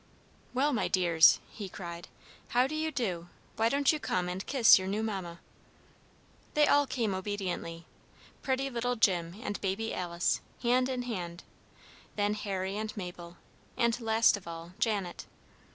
"Well, my dears," he cried, "how do you do? Why don't you come and kiss your new mamma?" They all came obediently, pretty little Jim and baby Alice, hand in hand, then Harry and Mabel, and, last of all, Janet.